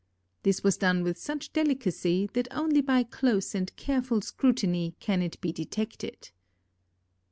This was done with such delicacy that only by close and careful scrutiny can it be detected.